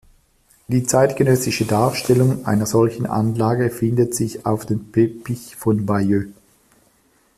Die zeitgenössische Darstellung einer solchen Anlage findet sich auf dem Teppich von Bayeux.